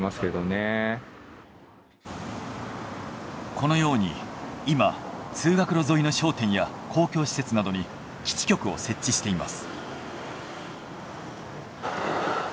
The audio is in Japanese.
このように今通学路沿いの商店や公共施設などに基地局を設置しています。